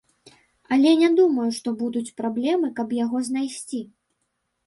Але не думаю, што будуць праблемы, каб яго знайсці.